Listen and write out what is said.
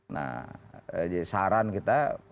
nah saran kita